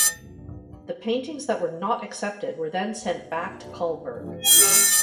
The paintings that were not accepted were then sent back to Cullberg.